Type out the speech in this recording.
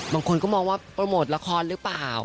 บางคนก็มองว่าโปรโมทละครหรือเปล่า